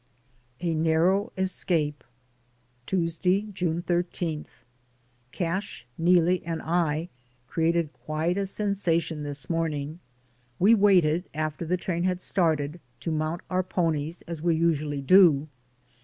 A NARROW ESCAPE. Tuesday, June 13. Cash, Neelie and I created quite a sensa tion this morning. We waited, after the train had started, to mount our ponies as we usually do.